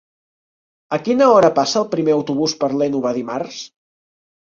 A quina hora passa el primer autobús per l'Énova dimarts?